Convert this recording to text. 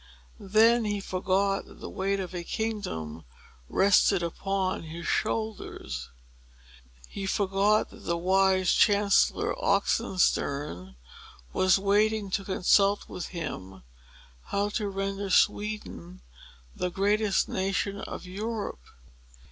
Then he forgot that the weight of a kingdom rested upon his shoulders. He forgot that the wise Chancellor Oxenstiern was waiting to consult with him how to render Sweden the greatest nation of Europe.